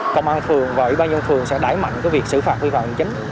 công an thường và ủy ban nhân thường sẽ đáy mạnh cái việc xử phạt vi phạm chính